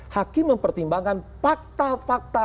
hakim mempertimbangkan fakta fakta